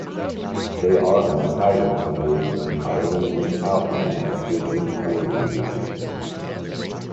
They are entitled to live in Ireland without any restrictions or conditions.